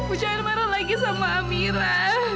ibu jangan marah lagi sama amyra